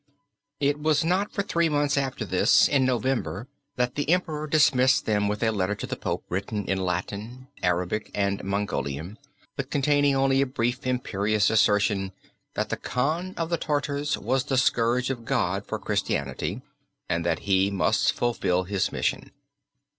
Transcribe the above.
It was not for three months after this, in November, that the Emperor dismissed them with a letter to the Pope written in Latin, Arabic, and Mongolian, but containing only a brief imperious assertion that the Khan of the Tartars was the scourge of God for Christianity, and that he must fulfill his mission.